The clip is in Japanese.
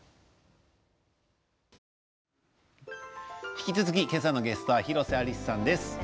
引き続き今朝のゲストは広瀬アリスさんです。